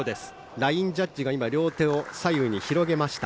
ラインジャッジが今、両手を左右に広げました。